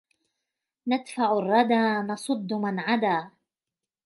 ندفعُ الرّدَى نصدُّ من عدا